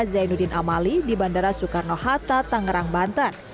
zainuddin amali di bandara soekarno hatata ngerang banten